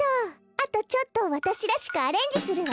あとちょっとわたしらしくアレンジするわ。